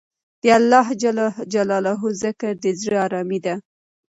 د اللهﷻ ذکر د زړه ارامي ده.